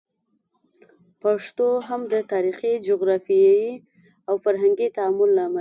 پښتو هم د تاریخي، جغرافیایي او فرهنګي تعامل له امله